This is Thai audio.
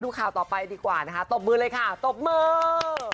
ข่าวต่อไปดีกว่านะคะตบมือเลยค่ะตบมือ